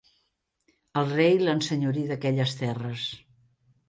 El rei l'ensenyorí d'aquelles terres.